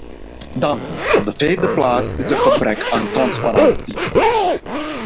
Dan, op de vijfde plaats, is er gebrek aan transparantie.